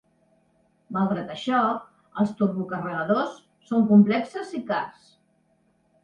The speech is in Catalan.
Malgrat això, els turbo-carregadors són complexes i cars.